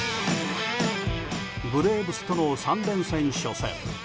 ブレーブスとの３連戦初戦。